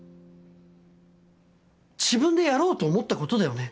自分でやろうと思ったことだよね？